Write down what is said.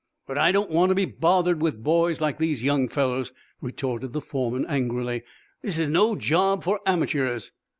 "But I don't want to be bothered with boys, like these young fellows," retorted the foreman, angrily. "This is no job for amateurs!"